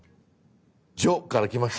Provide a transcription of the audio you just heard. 「じょ」から来ました。